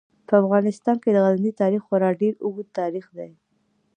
په افغانستان کې د غزني تاریخ خورا ډیر اوږد تاریخ دی.